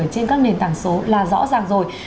trên các nền tảng số là rõ ràng rồi